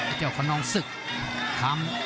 ไอ้เจ้าคนนองศึกทำ